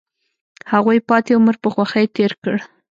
هغوی پاتې عمر په خوښۍ تیر کړ.